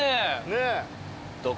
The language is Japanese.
ねっ。